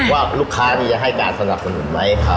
ว่าลูกค้านี้จะให้การสนับสนุนไหม